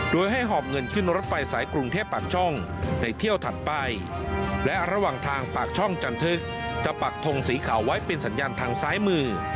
โดยให้หอบเงินขึ้นรถไฟสายกรุงเทพปากช่องในเที่ยวถัดไปและระหว่างทางปากช่องจันทึกจะปักทงสีขาวไว้เป็นสัญญาณทางซ้ายมือ